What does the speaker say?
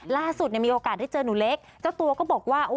ล่าสุดมีโอกาสได้เจอหนูเล็กเจ้าตัวก็บอกว่า